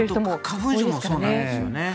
花粉症もそうなんですよね。